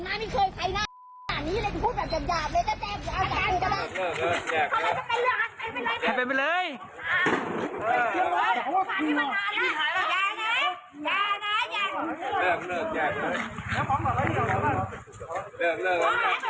อุบัติที่มานานแล้ว